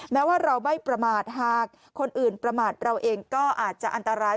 แม้ว่าเราไม่ประมาทหากคนอื่นประมาทเราเองก็อาจจะอันตราย